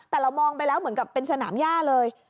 แต่เรามองไปแล้วเหมือนกับเป็นสนามย่าเลย